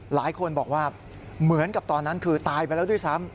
หลายคนบอกว่าเหมือนกับตอนนั้นคือตายไปแล้วด้วยซ้ำ